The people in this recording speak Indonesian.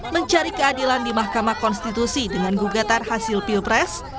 mencari keadilan di mahkamah konstitusi dengan gugatan hasil pilpres